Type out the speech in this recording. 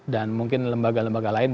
dan mungkin lembaga lembaga lain